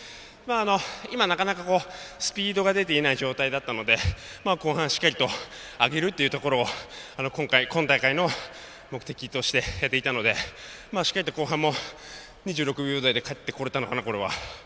今、なかなかスピードが出ていない状況だったので後半、しっかりと上げるっていうところを今大会の目的として、やっていたのでしっかりと後半も２６秒台で帰ってこれたのかな、これは。